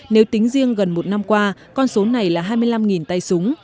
nếu tính riêng gần một năm qua con số này là hai mươi năm tay súng